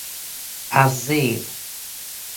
از زیر